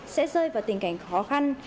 sẽ rơi vào tình cảnh khó khăn